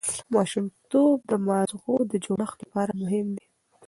ماشومتوب د ماغزو د جوړښت لپاره مهم دی.